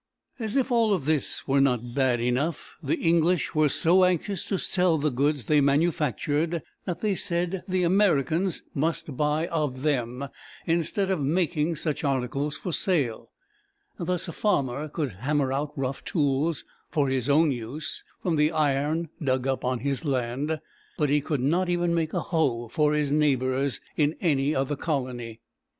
As if all this were not bad enough, the English were so anxious to sell the goods they manufactured, that they said the Americans must buy of them, instead of making such articles for sale. Thus, a farmer could hammer out rough tools for his own use from the iron dug up on his land, but he could not make even a hoe for his neighbors in any other colony. [Illustration: Spinning.